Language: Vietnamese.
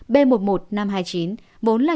b một một năm trăm hai mươi chín vốn là